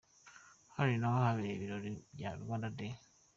Hano ni ho habereye ibirori bya Rwanda Day.